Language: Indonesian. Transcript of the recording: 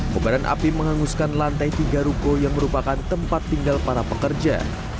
kebaran api menghanguskan lantai tiga ruko yang merupakan tempat tinggal para pekerja